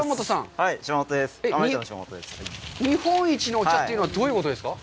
日本一のお茶というのは、どういうことですか？